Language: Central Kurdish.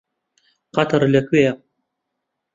قەتەر لەکوێیە؟